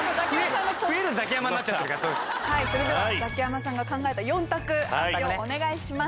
それではザキヤマさんが考えた４択発表をお願いします。